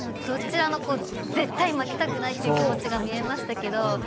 どちらも絶対負けたくないという気持ちが見えましたけど